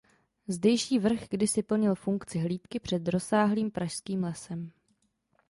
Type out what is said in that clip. Zdejší vrch kdysi plnil funkci hlídky před rozsáhlým pražským lesem.